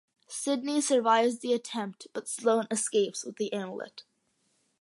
Sydney survives the attempt but Sloane escapes with the amulet.